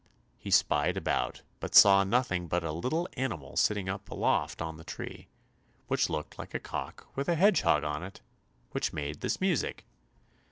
He spied about, but saw nothing but a little animal sitting up aloft on the tree, which looked like a cock with a hedgehog on it which made this music.